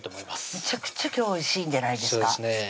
めちゃくちゃ今日おいしいんじゃないですか？